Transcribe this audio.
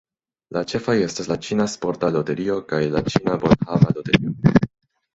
La ĉefaj estas la Ĉina Sporta Loterio kaj la Ĉina Bonhava Loterio.